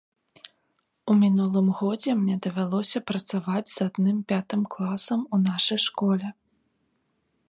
У мінулым годзе мне давялося працаваць з адным пятым класам у нашай школе.